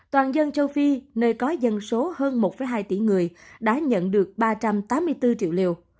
toàn dân châu phi nơi có dân số hơn một hai tỷ người đã nhận được ba trăm tám mươi bốn triệu liều